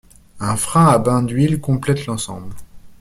Un frein à bain d’huile complète l’ensemble.